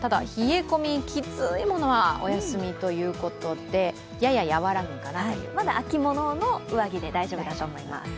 ただ、冷え込み、きついものはお休みということで、まだ秋物の上着で大丈夫だと思います。